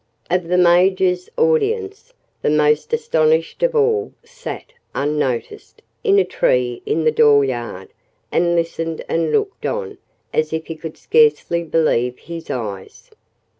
Of the Major's audience, the most astonished of all sat, unnoticed, in a tree in the dooryard and listened and looked on as if he could scarcely believe his eyes.